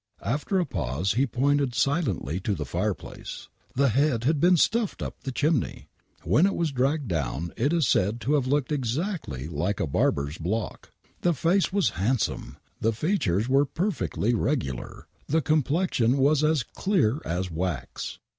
After a pause he pointed silently to the fire place ! The head had been stuffed up the chimney ! When it was dragged down it is said to have looked exactly ll!<ll»i|(l i6 WAINWRIGHT MURDER like a barber's block. The face was handsome ! The features were perfectly regular ! The complexion was as clear as wax